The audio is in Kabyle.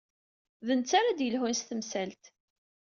D netta ara d-yelhun s temsalt.